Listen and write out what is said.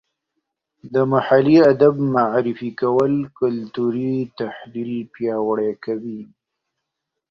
د محلي ادب معرفي کول کلتوري تحلیل پیاوړی کوي.